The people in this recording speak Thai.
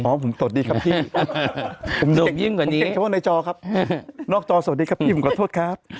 ผมสวัสดีครับพี่ผมโดดยิ่งกว่านี้เฉพาะในจอครับนอกจอสวัสดีครับพี่ผมขอโทษครับ